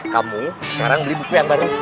kamu sekarang beli buku yang baru